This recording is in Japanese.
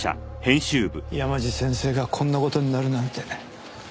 山路先生がこんな事になるなんて。